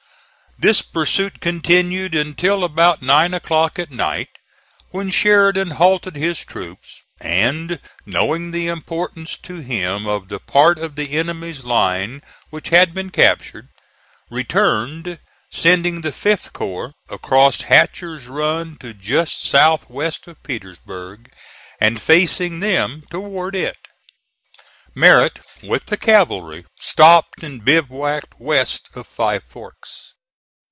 This pursuit continued until about nine o'clock at night, when Sheridan halted his troops, and knowing the importance to him of the part of the enemy's line which had been captured, returned, sending the 5th corps across Hatcher's Run to just south west of Petersburg, and facing them toward it. Merritt, with the cavalry, stopped and bivouacked west of Five Forks.